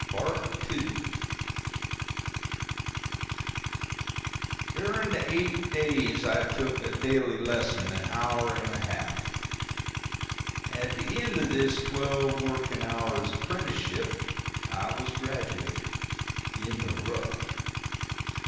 II During the eight days I took a daily lesson of an hour and a half. At the end of this twelve working hours' apprenticeship I was graduated—in the rough.